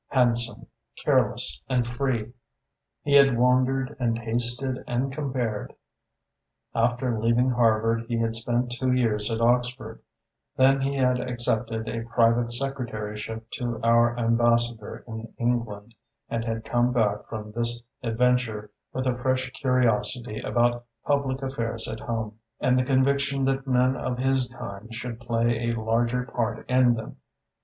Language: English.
Handsome, careless, and free, he had wandered and tasted and compared. After leaving Harvard he had spent two years at Oxford; then he had accepted a private secretaryship to our Ambassador in England, and had come back from this adventure with a fresh curiosity about public affairs at home, and the conviction that men of his kind should play a larger part in them.